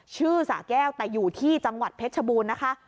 สะแก้วแต่อยู่ที่จังหวัดเพชรชบูรณ์นะคะ